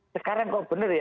sekarang kok benar ya